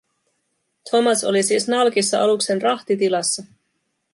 Thomas oli siis nalkissa aluksen rahtitilassa.